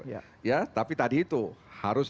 ya tapi tadi itu harus